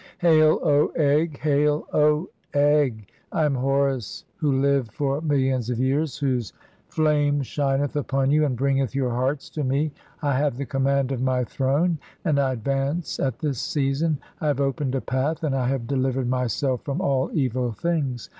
Hail, O Egg! "Hail, O Egg ! I am Horus who live for millions of years, whose 9 6 THE CHAPTERS OF COMING FORTH BY DAY. "flame shineth upon you (27) and bringeth your hearts to me. "I have the command of my throne and I advance at this season, "I have opened a path, and I have delivered myself from all "evil things.